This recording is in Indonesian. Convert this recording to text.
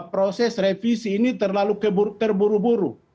proses revisi ini terlalu terburu buru